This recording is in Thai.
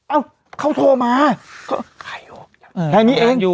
เอ้าเขาโทรมาเราใครอยู่ฮ๊ะพี่นี้เองอ่า